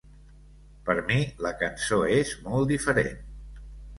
Per mi la cançó és molt diferent.